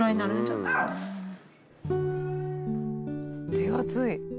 手厚い。